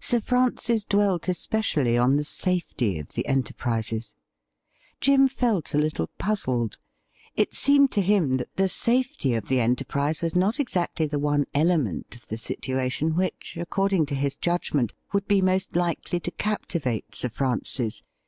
Sir Francis dwelt especially on the safety of the enterprises. Jim felt a little puzzled. It seemed to him that the safety of an enterprise was not exactly the one element in the situation 11 162 THE RIDDLE RING which, according to his judgment, would be most likely to captivate Sir Francis.